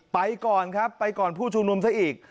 ไปก่อนครับไปก่อนผู้ชุมนุมซะอีก